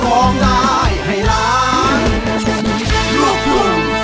โอ้โห